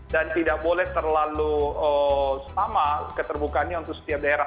dan tidak boleh terlalu sama keterbukaannya untuk setiap daerah